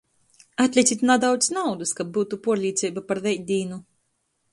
Atlicit nadaudz naudys, kab byutu puorlīceiba par reitdīnu.